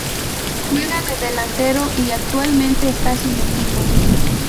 Juega de delantero y actualmente esta sin equipo.